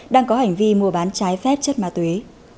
đang có hành vi mua bán trái phép chất ma túy